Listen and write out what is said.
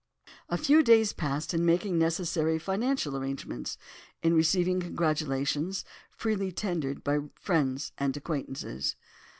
A few days passed in making necessary financial arrangements, in receiving congratulations, freely tendered by friends and acquaintances.